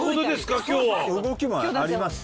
動きもあります